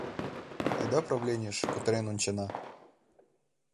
Айда правленийыш, кутырен ончена.